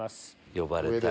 呼ばれたい。